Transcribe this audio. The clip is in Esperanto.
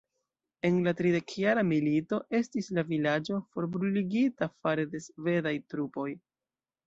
En la Tridekjara Milito estis la vilaĝo forbruligita fare de svedaj trupoj.